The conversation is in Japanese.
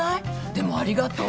でもありがとう。